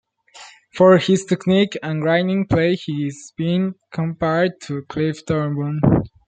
For his technique and grinding play he has been compared to Cliff Thorburn.